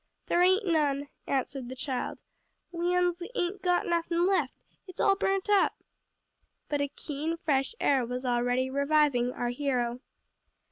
"There ain't none," answered the child, "we uns ain't got nothin' left; it's all burnt up." But a keen, fresh air was already reviving our hero.